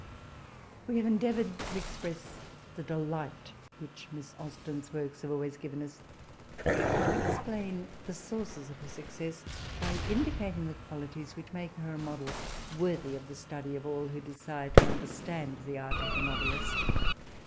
We have endeavoured to express the delight which Miss Austeo^s works have always given us, and to explain the sonrces of her success by indicating the qualities which make her a model worthy of the study of all who desire to understand the art of the novelist.